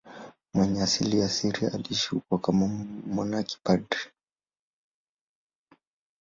Mwenye asili ya Syria, aliishi huko kama mmonaki padri.